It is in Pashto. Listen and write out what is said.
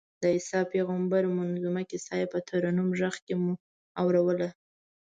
د عیسی پېغمبر منظمومه کیسه یې په مترنم غږ کې اورووله.